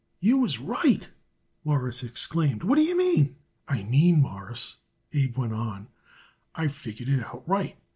"You was right?" Morris exclaimed. "What d'ye mean?" "I mean, Mawruss," Abe went on, "I figured it out right.